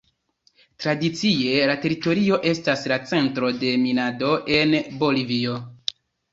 Tradicie la teritorio estas la centro de minado en Bolivio.